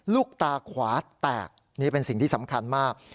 ลูกตาขวาแตกนี่เป็นสิ่งที่สำคัญมาก